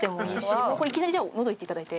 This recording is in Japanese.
もうこれいきなりじゃあのどいって頂いて。